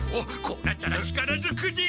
こうなったら力ずくで。